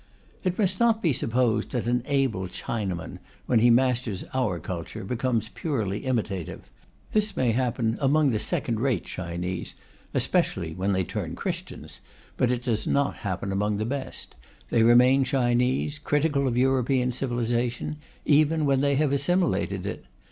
It must not be supposed that an able Chinaman, when he masters our culture, becomes purely imitative. This may happen among the second rate Chinese, especially when they turn Christians, but it does not happen among the best. They remain Chinese, critical of European civilization even when they have assimilated it.